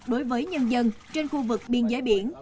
đối với nhân dân trên khu vực biên giới biển